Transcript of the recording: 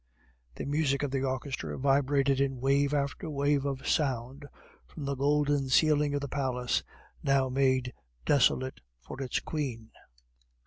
The music of the orchestra vibrated in wave after wave of sound from the golden ceiling of the palace, now made desolate for its queen.